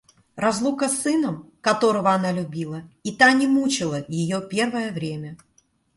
Разлука с сыном, которого она любила, и та не мучала ее первое время.